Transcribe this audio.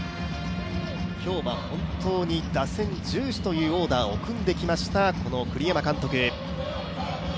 今日は本当に打線重視というオーダーを組んできました栗山監督。